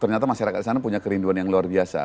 ternyata masyarakat di sana punya kerinduan yang luar biasa